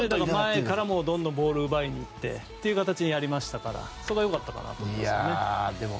前からどんどんボールを奪いにいってという形でやりましたからそこは良かったかなと思いますね。